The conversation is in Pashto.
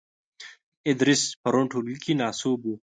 ادریس پرون ټولګې کې ناسوب وو .